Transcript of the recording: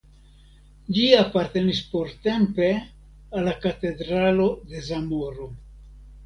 Ĝi apartenis portempe al la Katedralo de Zamoro.